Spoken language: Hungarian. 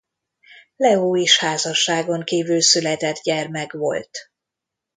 Leó is házasságon kívül született gyermek volt.